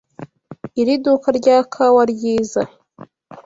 Iri duka rya kawa ryiza.